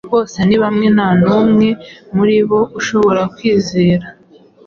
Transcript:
Bose ni bamwe, nta n’umwe muri bo ushobora kwizera.